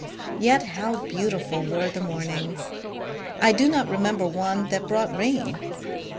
Yet how beautiful were the mornings ! I do not remember one that brought rain.